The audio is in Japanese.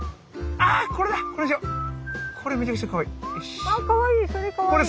あかわいい！